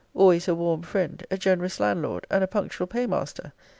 Always a warm friend; a generous landlord; and a punctual paymaster.